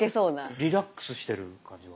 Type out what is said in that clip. リラックスしてる感じが。